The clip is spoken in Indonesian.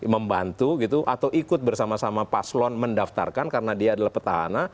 membantu gitu atau ikut bersama sama paslon mendaftarkan karena dia adalah petahana